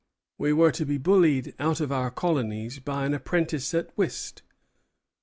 We were to be bullied out of our colonies by an apprentice at whist!"